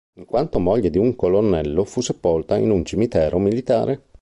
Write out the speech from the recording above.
In quanto moglie di un colonnello, fu sepolta in un cimitero militare.